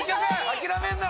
諦めんな！